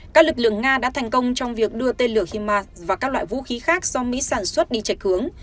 các lực lượng nga đã thành công trong việc đưa tên lửa hima và các loại vũ khí khác do mỹ sản xuất đi chạch hướng